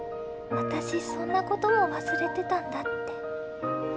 私そんな事も忘れてたんだって。